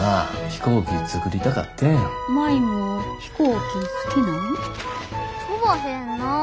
飛ばへんなぁ。